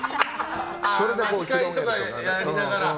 司会とかやりながら。